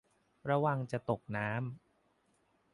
ระวังจะตกน้ำ